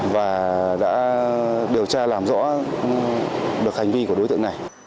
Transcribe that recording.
và đã điều tra làm rõ được hành vi của đối tượng này